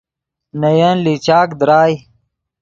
نے ین لیچاک درائے